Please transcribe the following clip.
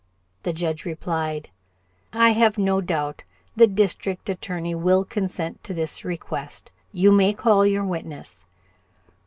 The Judge replied: "I have no doubt the District Attorney will consent to this request. You may call your witness."